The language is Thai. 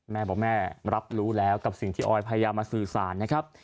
แม่บอกแม่รับรู้แล้วกับสิ่งที่ออยพยายามมาสื่อสารนะครับ